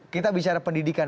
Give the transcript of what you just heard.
kita bicara pendidikan